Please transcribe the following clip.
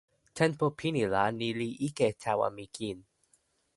tenpo pini la ni li ike tawa mi kin.